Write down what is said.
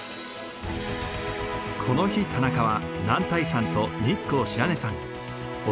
この日田中は男体山と日光白根山奥